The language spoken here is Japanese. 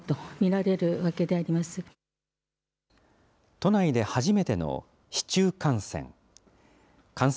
都内で初めての市中感染。